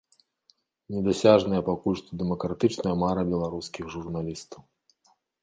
Недасяжная пакуль што дэмакратычная мара беларускіх журналістаў.